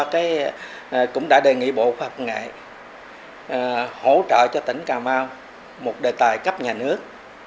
sở cũng đã đề nghị bộ khoa học và công nghệ hỗ trợ cho tỉnh cà mau một đề tài cấp nhà nước